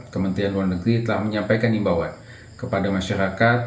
kementerian luar negeri telah menyampaikan imbauan kepada masyarakat